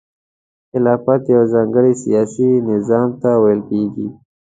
خلافت یو ځانګړي سیاسي نظام ته ویل کیږي.